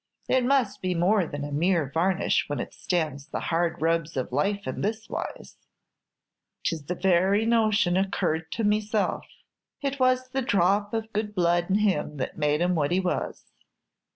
"It must be more than a mere varnish when it stands the hard rubs of life in this wise." "'Tis the very notion occurred to myself. It was the dhrop of good blood in him made him what he was."